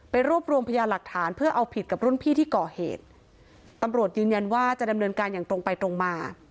รวบรวมพยานหลักฐานเพื่อเอาผิดกับรุ่นพี่ที่ก่อเหตุตำรวจยืนยันว่าจะดำเนินการอย่างตรงไปตรงมา